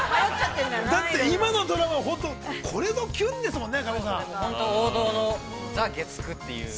だって今のドラマ、本当これぞ、きゅんですもんね。